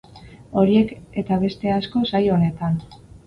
Horiek eta beste asko, saio honetan!